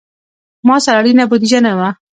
ما سره اړینه بودیجه نه وه.